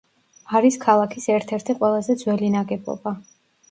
არის ქალაქის ერთ-ერთი ყველაზე ძველი ნაგებობა.